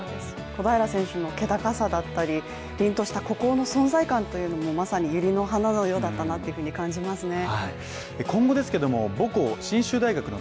小平選手の気高さだったりりんとした孤高の存在感もまさにゆりの花のようだったなと感じますね。